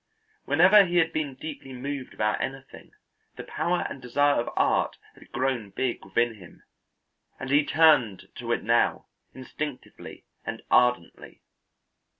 Whenever he had been deeply moved about anything, the power and desire of art had grown big within him, and he turned to it now, instinctively and ardently.